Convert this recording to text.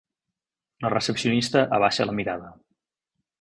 La recepcionista abaixa la mirada.